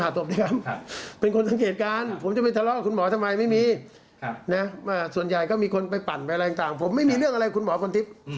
ตังเกตเต็มที่เลย